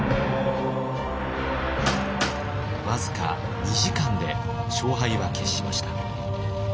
僅か２時間で勝敗は決しました。